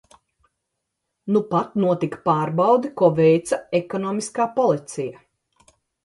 Nupat notika pārbaude, ko veica Ekonomiskā policija.